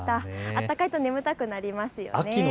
暖かいと眠たくなりますよね。